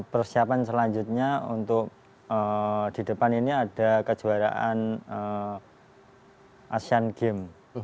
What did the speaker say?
persiapan selanjutnya untuk di depan ini ada kejuaraan asian games